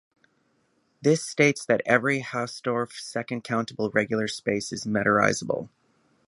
This states that every Hausdorff second-countable regular space is metrizable.